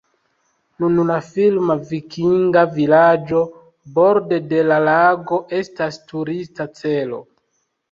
Nun la filma vikinga vilaĝo borde de la lago estas turista celo.